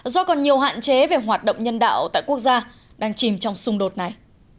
do còn nhiều hạn chế về hoạt động nhân đạo tại quốc gia đang chìm trong xung đột này